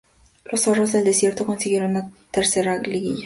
Los "zorros del desierto" consiguieron su tercera liguilla.